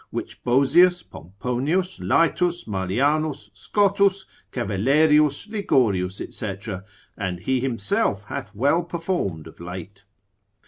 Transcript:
which Bozius, Pomponius, Laetus, Marlianus, Schottus, Cavelerius, Ligorius, &c., and he himself hath well performed of late.